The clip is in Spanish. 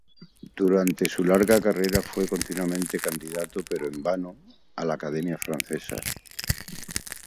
Durante su larga carrera, fue continuamente candidato, pero en vano, a la Academia Francesa.